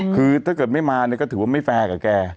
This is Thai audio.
คือถ้าเกิดไม่มาเนี่ยก็ถือว่าไม่แฟร์กับแก